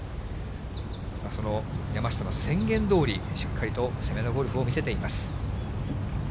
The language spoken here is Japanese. その山下の宣言どおり、しっかりと攻めのゴルフを見せています。